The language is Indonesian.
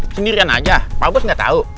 sendirian aja pak bos gak tau